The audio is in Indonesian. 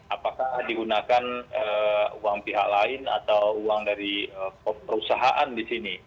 apakah digunakan uang pihak lain atau uang dari perusahaan di sini